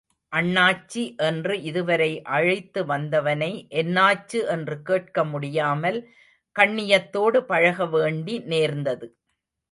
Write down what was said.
அண்ணாச்சி என்று இதுவரை அழைத்து வந்தவனை என்னாச்சு என்று கேட்க முடியாமல் கண்ணியத்தோடு பழக வேண்டி நேர்ந்தது.